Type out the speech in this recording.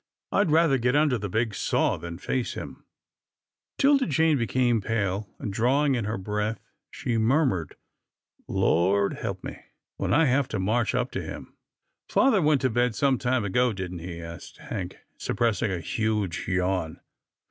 I'd rather get under the big saw, than face him." 22 'TILDA JANE'S ORPHANS 'Tilda Jane became pale, and, drawing in her breath, she murmured, Lord help me, when I have to march up to him." " Father went to bed some time ago, didn't he? " asked Hank, suppressing a huge yawn.